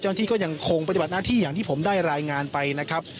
ที่ก็ยังคงปฏิบัติหน้าที่อย่างที่ผมได้รายงานไปนะครับ